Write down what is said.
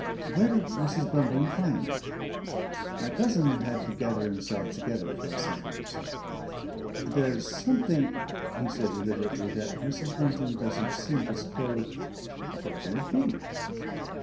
"Where did Mrs. Bunting find her." My cousin had to gather himself together for a second or so. "There's something," he said deliberately, "that Mrs. Bunting doesn't seem disposed " "What can it be?"